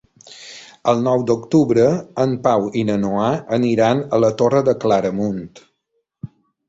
El nou d'octubre en Pau i na Noa aniran a la Torre de Claramunt.